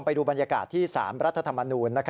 ไปดูบรรยากาศที่๓รัฐธรรมนูล